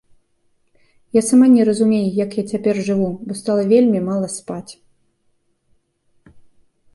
Я сама не разумею, як я цяпер жыву, бо стала вельмі мала спаць.